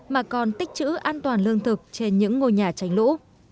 mà còn tích chữ an toàn lương thực trên những ngôi nhà tránh lũ